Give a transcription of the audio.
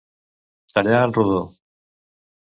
Tallar en rodó.